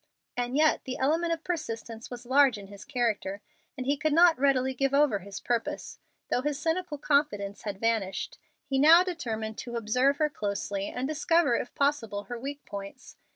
And yet the element of persistence was large in his character, and he could not readily give over his purpose, though his cynical confidence had vanished. He now determined to observe her closely and discover if possible her weak points.